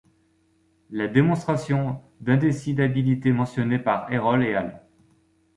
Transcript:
La démonstration d'indécidabilité mentionnée par Erol et al.